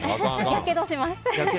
やけどします。